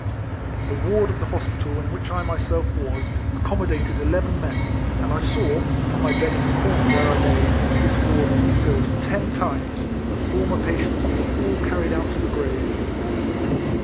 The waj*d of the hospital in which I myself was, ac comodated eleven men, and I saw, from my bed in the corner where I lay, this ward refilled ten times, the former patients being all carried out to the grave.